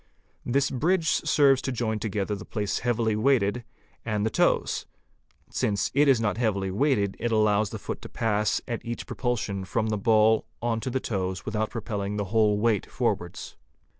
This bridge serves to join together the place heavily weighted and the toes; since it is not heavily weighted, it allows the foot \ to pass at each propulsion from the ball on to the toes without propel _ ling the whole weight forwards.